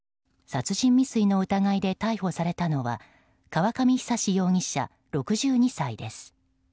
殺人未遂の疑いで逮捕されたのは河上久容疑者、６２歳です。